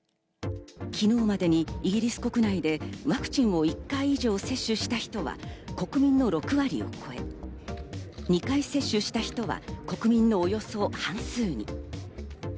昨日までにイギリス国内でワクチンを１回以上接種した人は国民の６割を超え、２回接種した人は国民のおよそ半数に。